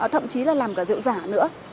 thậm chí là làm cả rượu giả nữa